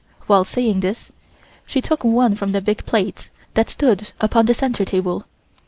While saying this she took one from the big plates that stood upon the center table.